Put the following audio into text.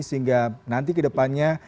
sehingga nanti kedepannya